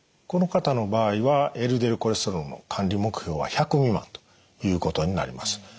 この方の場合はＬＤＬコレステロールの管理目標は１００未満ということになります。